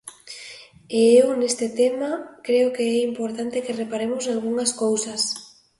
E eu neste tema creo que é importante que reparemos nalgunhas cousas: